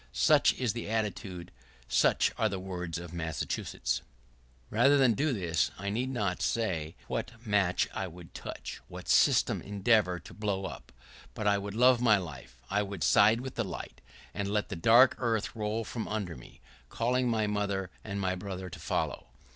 Such is the attitude, such are the words of Massachusetts. [¶31] Rather than do thus, I need not say what match I would touch, what system endeavor to blow up; but as I love my life, I would side with the light, and let the dark earth roll from under me, calling my mother and my brother to follow.